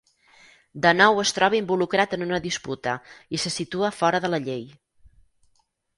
De nou es troba involucrat en una disputa i se situa fora de la llei.